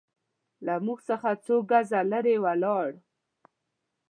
له موږ څخه څو ګزه لرې ولاړ.